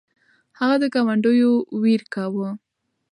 هغه د ګاونډیو ویر کاوه.